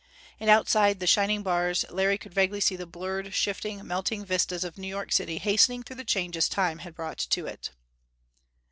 And outside the shining bars Larry could vaguely see the blurred, shifting, melting vistas of New York City hastening through the changes Time had brought to it.